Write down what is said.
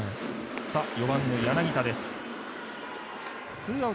４番の柳田です。